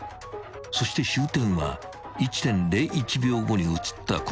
［そして終点は１．０１秒後に写ったこの地点］